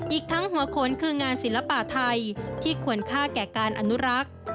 อีกทั้งหัวโขนคืองานศิลปะไทยที่ควรค่าแก่การอนุรักษ์